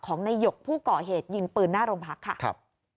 ในหยกผู้ก่อเหตุยิงปืนหน้าโรงพักค่ะครับ